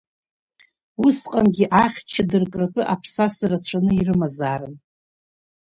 Усҟангьы ахьча дыркратәы аԥсаса рацәаны ирымазаарын.